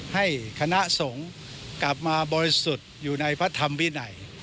ให้คณะสงฆ์กลับมาบริสุทธิ์อยู่ในพระธรรมวินัย